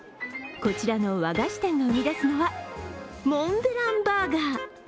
こちらの和菓子店が生み出すのはモンブランバーガー。